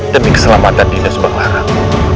demi keselamatan dinda subanglarang